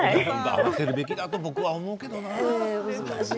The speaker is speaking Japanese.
合わせるべきだと僕は思うけどな。